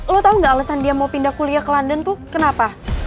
lo tahu nggak alasan dia mau pindah kuliah ke london tuh kenapa